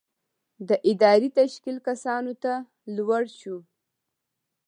د ادارې تشکیل کسانو ته لوړ شو.